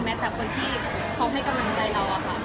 แต่คนที่เขาให้กำลังใจเราอะค่ะ